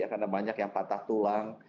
karena banyak yang patah tulang